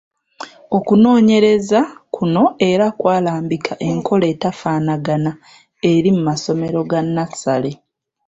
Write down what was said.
Okunoonyereza kuno era kwalambika enkola atafaanagana eri mu masomero ga nnassale.